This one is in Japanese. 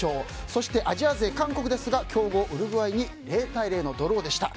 そしてアジア勢、韓国ですが強豪ウルグアイに０対０のドローでした。